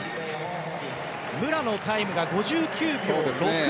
武良のタイムが５９秒６４。